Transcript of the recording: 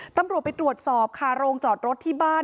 ตำรวจไปตรวจสอบค่ะโรงจอดรถที่บ้าน